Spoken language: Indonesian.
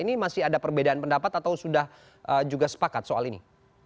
ini masih ada perbedaan pendapat atau sudah juga sepakat soal ini